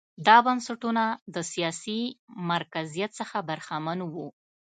دا بنسټونه له سیاسي مرکزیت څخه برخمن وو.